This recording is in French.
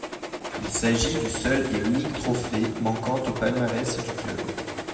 Il s’agit du seul et unique trophée manquant au palmarès du club.